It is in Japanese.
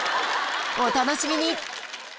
お楽しみに！